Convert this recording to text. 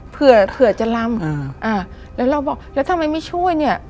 เผื่อเผื่อจะลำอ่าอ่าแล้วเราบอกแล้วทำไมไม่ช่วยเนี่ย